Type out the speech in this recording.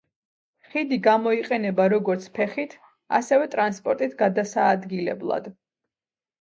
ხიდი გამოიყენება როგორც ფეხით, ასევე ტრანსპორტით გადასაადგილებლად.